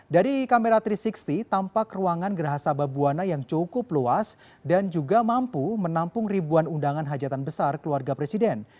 dari kamera tiga ratus enam puluh tampak ruangan geraha sababwana yang cukup luas dan juga mampu menampung ribuan undangan hajatan besar keluarga presiden